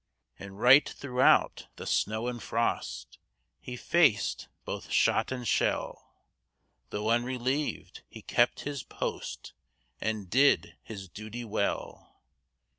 And right throughout the snow and frost He faced both shot and shell; Though unrelieved, he kept his post, And did his duty well.